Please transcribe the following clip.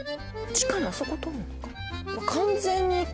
地下のあそこ通るのか。